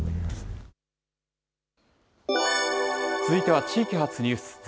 続いては地域発ニュース。